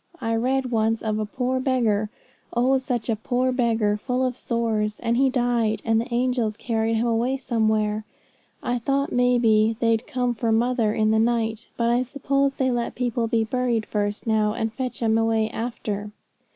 I read once of a poor beggar, oh such a poor beggar! full of sores, and he died, and the angels carried him away somewhere. I thought, may be, they'd come for mother in the night; but I suppose they let people be buried first now, and fetch 'em away after.'